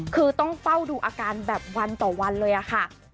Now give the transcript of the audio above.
คือต้องเฝ้าดูอาการแบบวันต่อวันเลยค่ะ